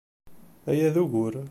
Aya d ugur.